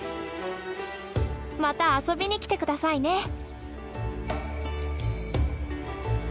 また遊びに来て下さいね！